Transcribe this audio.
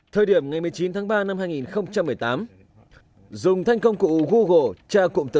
thời điểm ngày một mươi chín tháng ba năm hai nghìn một mươi tám dùng thanh công cụ google cha cụm từ